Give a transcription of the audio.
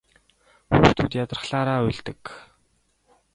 Хүүхдүүд ядрахлаараа уйлдаг.